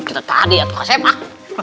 kita tadi atuh asep ah